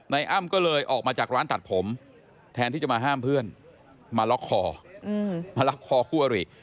อ้ำก็เลยออกมาจากร้านตัดผมแทนที่จะมาห้ามเพื่อนมาล็อกคอมาล็อกคอคู่อริ